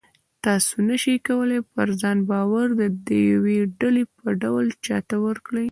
تاسې نه شئ کولی پر ځان باور د یوې ډالۍ په ډول چاته ورکړئ